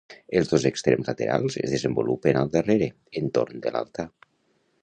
Els dos extrems laterals es desenvolupen al darrere, entorn de l'altar.